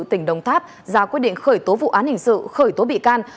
tỉnh đồng tháp ra quyết định khởi tố vụ án hình sự khởi tố bị can